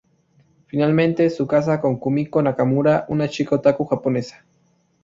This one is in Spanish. Finalmente, se casa con Kumiko Nakamura, una chica otaku japonesa.